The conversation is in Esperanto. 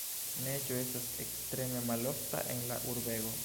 Neĝo estas ekstreme malofta en la urbego.